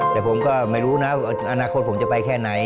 แต่ผมก็ไม่รู้นะว่าอนาคตผมจะไปแค่ไหน